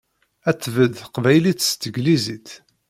Ad tbedd teqbaylit s teglizit!